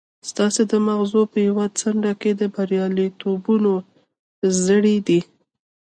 ستاسې د ماغزو په يوه څنډه کې د برياليتوبونو زړي دي.